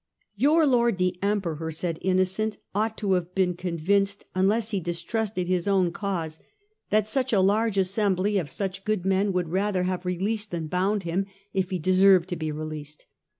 " Your Lord the Emperor," said Innocent, " ought to have been convinced, unless he distrusted his own cause, that such a large assembly of such good men would rather have released than bound him, if he de served to be released.